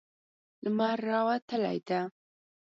لمر راوتلی ده